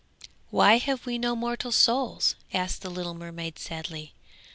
'Why have we no immortal souls?' asked the little mermaid sadly.